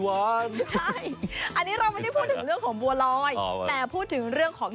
โอ้โหเพลงไม่ได้ขออินโตร่หน่อย